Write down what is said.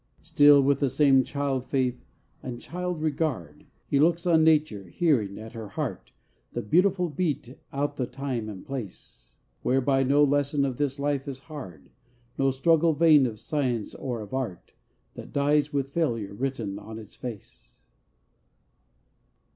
Still with the same child faith and child regard He looks on Nature, hearing, at her heart, The beautiful beat out the time and place, Whereby no lesson of this life is hard, No struggle vain of science or of art, That dies with failure written on its face.